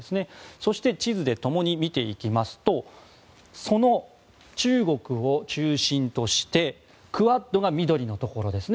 そして、地図でともに見ていきますとその中国を中心としてクアッドが緑のところですね。